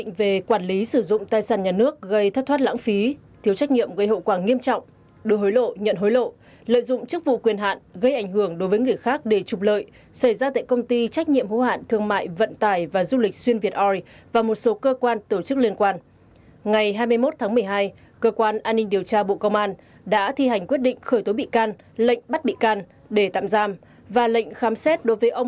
cơ quan an ninh điều tra bộ công an vừa khởi tố tạm giam thứ trưởng bộ công thương đỗ thắng hải về hành vi nhận hối lộ